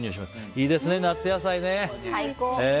いいですね、夏野菜ね。